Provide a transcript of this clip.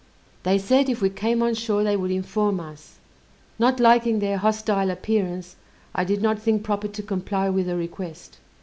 They said if we came on shore they would inform us; not liking their hostile appearance, I did not think proper to comply with the request.